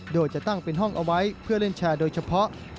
โดยจะตั้งเป็นห้องเอาไว้เพื่อเล่นแชร์โดยเฉพาะ